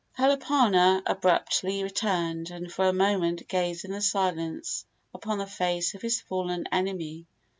Kalapana abruptly turned, and for a moment gazed in silence upon the face of his fallen enemy.